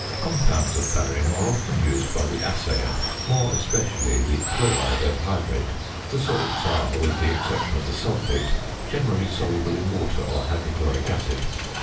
Compounds of barium are often used by the assayer, more especially the chloride and hydrate. The salts are, with the exception of the sulphate, generally soluble in water or hydrochloric acid.